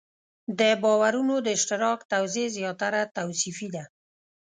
د باورونو د اشتراک توضیح زیاتره توصیفي ده.